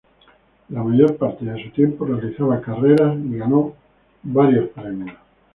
La mayor parte de su tiempo realizaba carreras, y ganó varios premios.